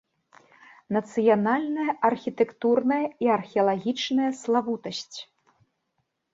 Нацыянальная архітэктурная і археалагічная славутасць.